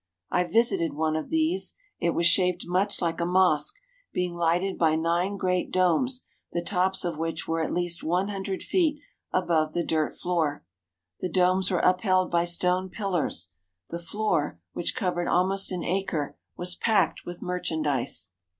I vis ited one of these. It was shaped much like a mosque, being lighted by nine great domes the tops of which were at least one hundred feet above the dirt floor. The domes were upheld by stone pillars. The floor, which covered almost an acre, was packed with merchandise.